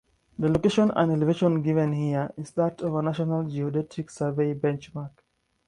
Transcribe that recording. The location and elevation given here is that of a National Geodetic Survey benchmark.